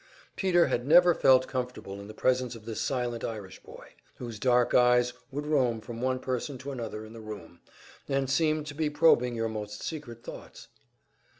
Peter had never felt comfortable in the presence of this silent Irish boy, whose dark eyes would roam from one person to another in the room, and seemed to be probing your most secret thoughts.